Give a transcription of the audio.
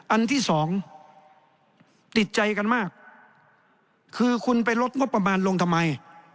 อันที่สองติดใจกันมากคือคุณไปลดงบประมาณลงทำไม